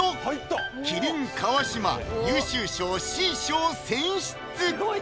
「麒麟」・川島優秀賞Ｃ賞選出！